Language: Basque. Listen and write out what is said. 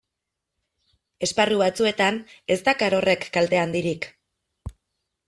Esparru batzuetan ez dakar horrek kalte handirik.